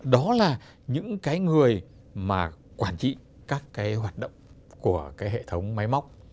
đó là những cái người mà quản trị các cái hoạt động của cái hệ thống máy móc